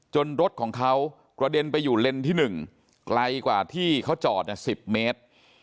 รถของเขากระเด็นไปอยู่เลนส์ที่๑ไกลกว่าที่เขาจอด๑๐เมตร